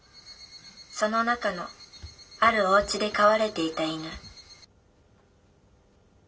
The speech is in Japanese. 「その中のあるおうちで飼われていた犬」。